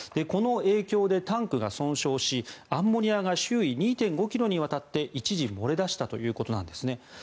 この影響でタンクが損傷しアンモニアが周囲２．５ｋｍにわたって一時、漏れ出したということなんですね。